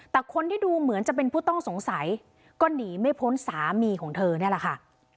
แต่คนที่ดูเหมือนจะเป็นผู้ต้องสงสัยก็หนีไม่พ้นสามีของเธอนี่แหละค่ะ